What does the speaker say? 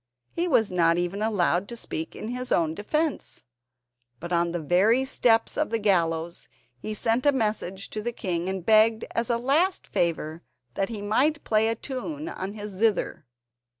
He was not even allowed to speak in his own defence, but on the very steps of the gallows he sent a message to the king and begged, as a last favour, that he might play a tune on his zither.